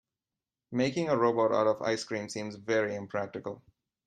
Making a robot out of ice cream seems very impractical.